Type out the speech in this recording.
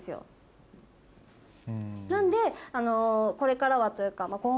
なのでこれからはというか。